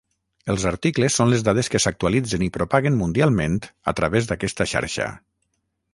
Els articles són les dades que s'actualitzen i propaguen mundialment a través d'aquesta xarxa.